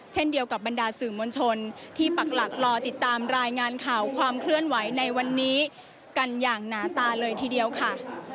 เช่นเดียวกับบรรดาสื่อมวลชนที่ปักหลักรอติดตามรายงานข่าวความเคลื่อนไหวในวันนี้กันอย่างหนาตาเลยทีเดียวค่ะ